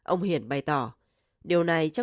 ông hiển bày tỏ